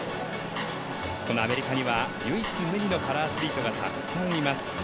アメリカには唯一無二のパラアスリートがたくさんいます。